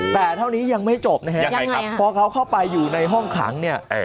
แต่เท่านี้ยังไม่จบนะครับพอเขาเข้าไปอยู่ในห้องขังเนี่ยยังไงครับ